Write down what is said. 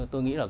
tôi nghĩ là